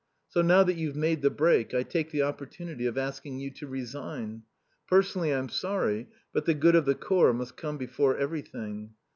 So now that you've made the break I take the opportunity of asking you to resign. Personally I'm sorry, but the good of the Corps must come before everything.